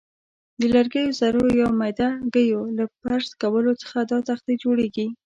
د لرګیو ذرو یا میده ګیو له پرس کولو څخه دا تختې جوړیږي.